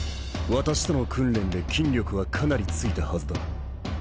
私との訓練で筋力はかなり付いたはずだ。